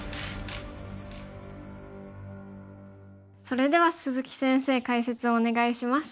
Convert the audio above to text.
それでは鈴木先生解説をお願いします。